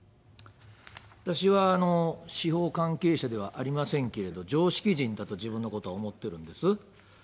私は司法関係者ではありませんけれど、常識人だと自分のこと思っているんです。